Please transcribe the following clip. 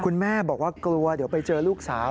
คุณแม่บอกว่ากลัวเดี๋ยวไปเจอลูกสาว